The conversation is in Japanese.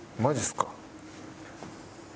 マジすか。